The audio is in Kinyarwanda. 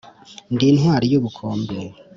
Ndi intwari y’ubukombe